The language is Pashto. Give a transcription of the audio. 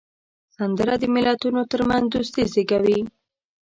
سندره د ملتونو ترمنځ دوستي زیږوي